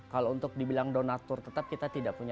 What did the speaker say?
kalau untuk dibilang donatur tetap kita tidak punya